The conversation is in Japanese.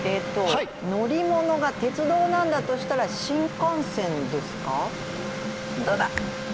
乗り物が鉄道なんだとしたら新幹線ですか？